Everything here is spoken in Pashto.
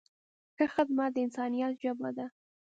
ښه خدمت د انسانیت ژبه ده.